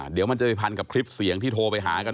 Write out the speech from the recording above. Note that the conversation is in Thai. เดี๋ยวมันจะไปพันกับคลิปเสียงที่โทรไปหากัน